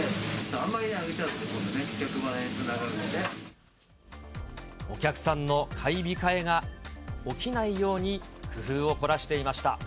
あまり上げちゃうと、客離れお客さんの買い控えが起きないように工夫を凝らしていました。